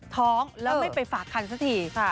ท้องแล้วไม่ไปฝากคันสักที